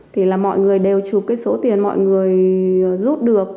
thì là mọi người đều chụp cái số tiền mọi người rút được